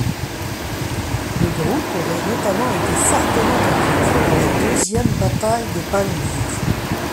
Le groupe aurait notamment été fortement impliqué dans la deuxième bataille de Palmyre.